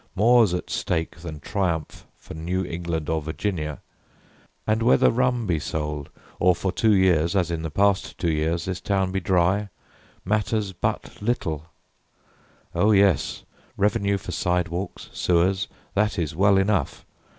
More's at stake Than triumph for New England or Virginia. And whether rum be sold, or for two years As in the past two years, this town be dry Matters but little— Oh yes, revenue For sidewalks, sewers; that is well enough!